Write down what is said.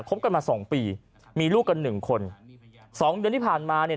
บกันมาสองปีมีลูกกันหนึ่งคนสองเดือนที่ผ่านมาเนี่ย